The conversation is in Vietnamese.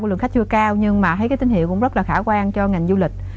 lượng khách chưa cao nhưng mà thấy cái tín hiệu cũng rất là khả quan cho ngành du lịch